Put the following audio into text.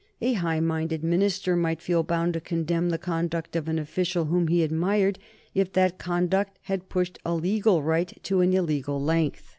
A high minded minister might feel bound to condemn the conduct of an official whom he admired, if that conduct had pushed a legal right to an illegal length.